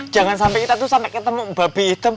jangan sampai kita itu sampai ketemu babi hitam